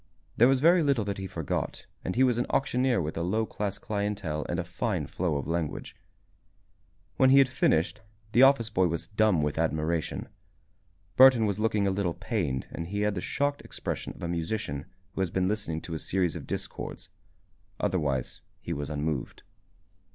There was very little that he forgot and he was an auctioneer with a low class clientele and a fine flow of language. When he had finished, the office boy was dumb with admiration. Burton was looking a little pained and he had the shocked expression of a musician who has been listening to a series of discords. Otherwise he was unmoved.